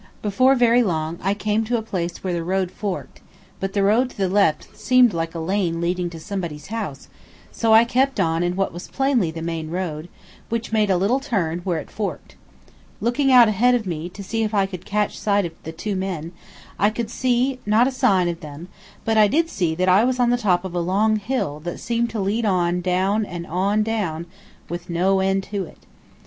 Before very long I came to a place where the road forked, but the road to the left seemed like a lane leading to somebody's house, so I kept on in what was plainly the main road, which made a little turn where it forked. Looking out ahead of me, to see if I could catch sight of the two men, I could not see a sign of them, but I did see that I was on the top of a long hill that seemed to lead on and down and on and down, with no end to it.